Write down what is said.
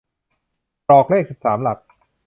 กรอกเลขสิบสามหลัก